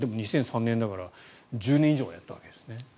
でも２００３年だから１０年以上はやったわけですね。